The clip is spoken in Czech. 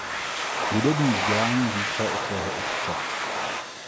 Hudební vzdělání získal od svého otce.